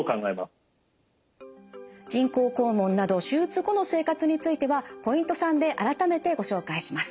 人工肛門など手術後の生活についてはポイント３で改めてご紹介します。